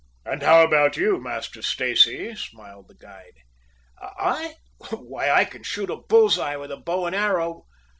"And how about you, Master Stacy?" smiled the guide. "I? Why, I can shoot a bull's eye with a how and arrow.